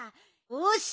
よし！